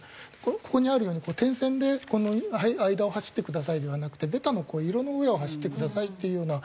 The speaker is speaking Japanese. ここにあるように点線でこの間を走ってくださいではなくてベタの色の上を走ってくださいっていうような表示が。